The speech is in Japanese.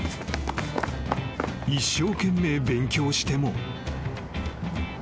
［一生懸命勉強しても］